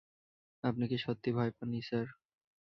আপনি কি সত্যিই ভয় পান নি, স্যার?